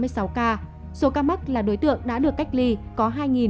số ca mắc là đối tượng đã được cách ly có hai một trăm linh bốn